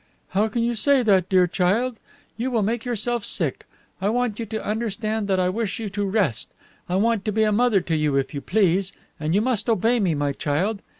"How can you say that, dear child? You will make yourself sick. I want you to understand that I wish you to rest. I want to be a mother to you, if you please, and you must obey me, my child.